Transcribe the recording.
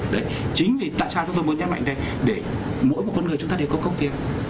đấy chính vì tại sao chúng tôi muốn nhấn mạnh đây để mỗi một con người chúng ta đều có công tiền